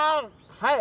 はい。